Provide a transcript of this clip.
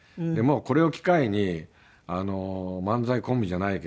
これを機会に漫才コンビじゃないけども。